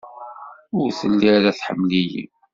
Ur telli ara tḥemmel-iyi.